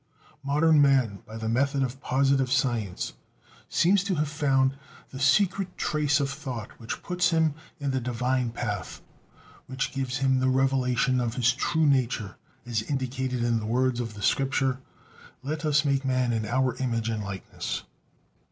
Modern man by the method of positive science seems to have found the secret trace of thought which puts him in the divine path, which gives him the revelation of his true nature, as indicated in the words of Scripture: "Let us make man in our image and likeness."